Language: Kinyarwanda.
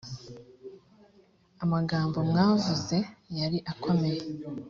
amagambo mwamvuze yari akomeye